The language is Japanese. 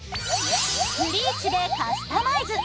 ブリーチでカスタマイズ。